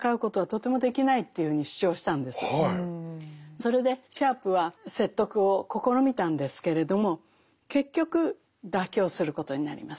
それでシャープは説得を試みたんですけれども結局妥協することになります。